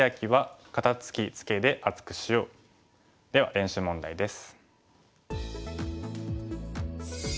では練習問題です。